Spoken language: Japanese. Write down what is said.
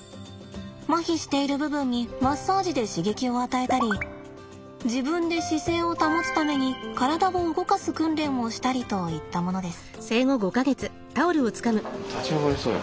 まひしている部分にマッサージで刺激を与えたり自分で姿勢を保つために体を動かす訓練をしたりといったものです。